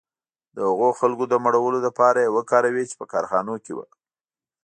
د هغو خلکو د مړولو لپاره یې وکاروي چې په کارخانو کې وو